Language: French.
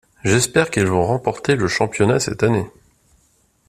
J'espère qu'elles vont remporter le championnat cette année.